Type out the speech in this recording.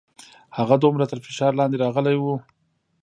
هغه دومره تر فشار لاندې راغلې وه.